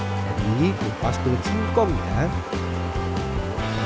tapi ini rupas bulut singkong ya